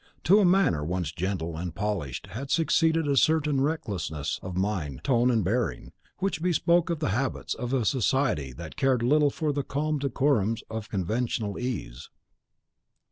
To a manner once gentle and polished had succeeded a certain recklessness of mien, tone, and bearing, which bespoke the habits of a society that cared little for the calm decorums of conventional ease.